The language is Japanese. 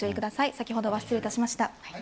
先ほどは失礼いたしました。